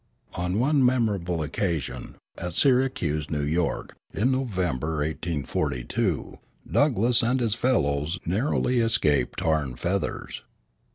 On one memorable occasion, at Syracuse, New York, in November, 1842, Douglass and his fellows narrowly escaped tar and feathers.